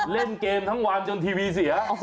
เล่นเกมทั้งวันจนทีวีเสีย